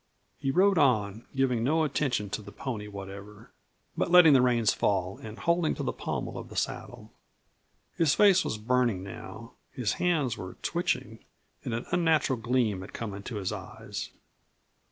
He rode on, giving no attention to the pony whatever, but letting the reins fall and holding to the pommel of the saddle. His face was burning now, his hands were twitching, and an unnatural gleam had come into his eyes.